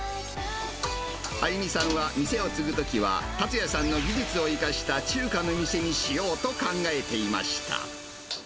亜友美さんは店を継ぐときは、達也さんの技術を生かした中華の店にしようと考えていました。